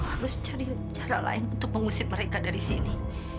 harus cari cara lain untuk mengusip mereka dari sini